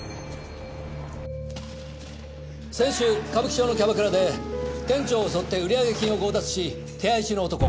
先週歌舞伎町のキャバクラで店長を襲って売上金を強奪し手配中の男。